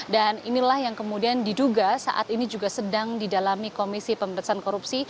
dan inilah yang kemudian diduga saat ini juga sedang didalami komisi pemerintahan korupsi